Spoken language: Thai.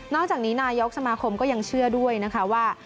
จากนี้นายกสมาคมก็ยังเชื่อด้วยนะคะว่า